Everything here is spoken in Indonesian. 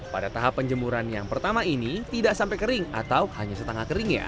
pada tahap penjemuran yang pertama ini tidak sampai kering atau hanya setengah kering ya